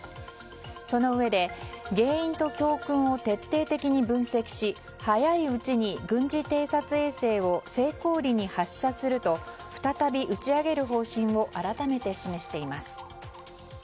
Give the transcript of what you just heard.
そのうえで原因と教訓を徹底的に分析し早いうちに軍事偵察衛星を成功裏に発射すると再び打ち上げる方針を改めて示しています。